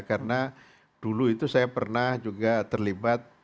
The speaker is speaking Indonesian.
karena dulu itu saya pernah juga terlibat